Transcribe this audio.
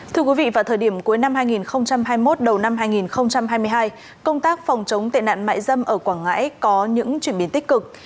thưa quý vị vào thời điểm cuối năm hai nghìn hai mươi một đầu năm hai nghìn hai mươi hai công tác phòng chống tệ nạn mại dâm ở quảng ngãi có những chuyển biến tích cực